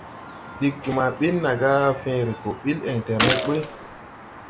Ɗiggi ma ɓin na gá fẽẽre gɔ ɓil ɛŋtɛrned ɓuy.